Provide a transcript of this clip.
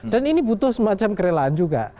dan ini butuh semacam kerelaan juga